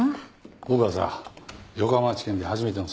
僕はさ横浜地検で初めての裁判だったから。